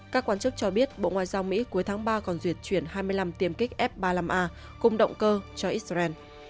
các quan chức cho biết bộ ngoại giao mỹ cuối tháng ba còn duyệt chuyển hai mươi năm tiềm kích f ba mươi năm a cùng động cơ cho israel